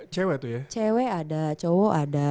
cewek itu ya cewek ada cowok ada